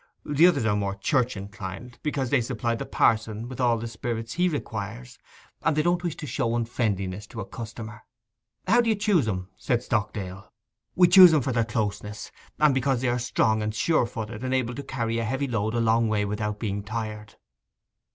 The others are more church inclined, because they supply the pa'son with all the spirits he requires, and they don't wish to show unfriendliness to a customer.' 'How do you choose 'em?' said Stockdale. 'We choose 'em for their closeness, and because they are strong and surefooted, and able to carry a heavy load a long way without being tired.